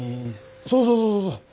そうそうそうそうそう。